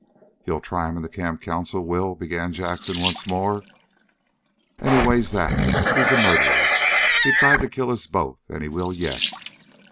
"Ye'll try him in the camp council, Will?" began Jackson once more. "Anyways that? He's a murderer. He tried to kill us both, an' he will yit.